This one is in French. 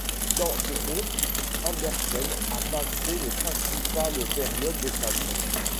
Dans ce conte, Andersen a placé les principales périodes de sa vie.